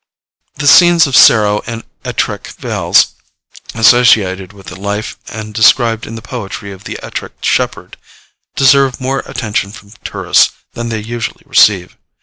The scenes of Sarrow and Ettrick vales, associated with the life and described in the poetry of the Ettrick shepherd, deserve more attention from tourists than they usually receive.